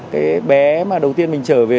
cái bé mà đầu tiên mình trở về